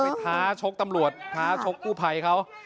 ท้าชกตำรวจท้าชกกู้ภัยเขา